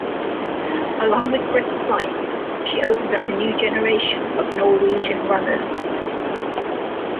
Along with Grete Waitz, she opened up a new generation of Norwegian runners.